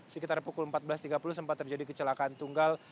sekitar pukul empat belas tiga puluh sempat terjadi kecelakaan tunggal